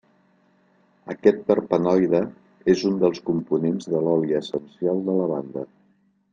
Aquest terpenoide és un dels components de l'oli essencial de lavanda.